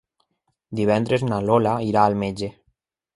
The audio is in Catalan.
Divendres na Lola irà al metge.